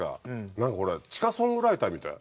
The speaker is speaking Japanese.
何か俺地下ソングライターみたい。